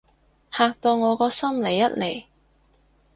嚇到我個心離一離